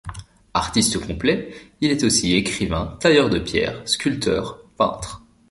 Artiste complet, il est aussi écrivain, tailleur de pierre, sculpteur, peintre.